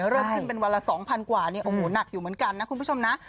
เริ่มขึ้นเป็นวันละ๒๐๐กว่าเนี่ยโอ้โหหนักอยู่เหมือนกันนะคุณผู้ชมนะ